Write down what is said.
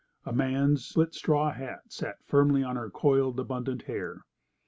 A man's split straw hat sat firmly on her coiled, abundant hair.